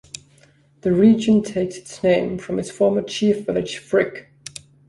The region takes its name from its former chief village Frick.